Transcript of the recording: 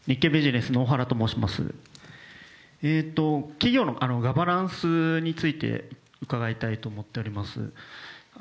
企業のガバナンスについて伺いたいと思っております。